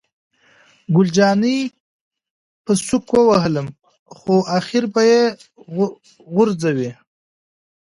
ګل جانې په سوک ووهلم، خو آخر به یې غورځوي.